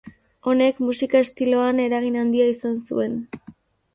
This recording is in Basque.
Honek, musika estiloan eragin handia izan zuen.